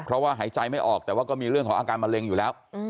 เพราะว่าหายใจไม่ออกแต่ว่าก็มีเรื่องของอาการมะเร็งอยู่แล้ว